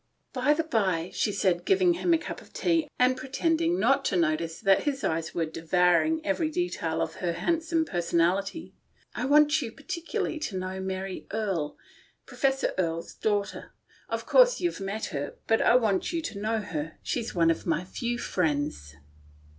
" By the bye," she said, giving him a cup of tea and pretending not to notice that his eyes were devouring every detail of her handsome personality, " I want you particu larly to know Mary Erie — Professor Erie's daughter, you know. Of course you've met her, but I want you to know her. She's one of my few friends."